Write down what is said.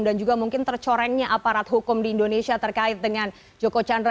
dan juga mungkin tercorengnya aparat hukum di indonesia terkait dengan joko candra